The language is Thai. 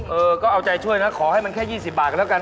เออก็เอาใจช่วยนะขอให้มันแค่๒๐บาทกันแล้วกัน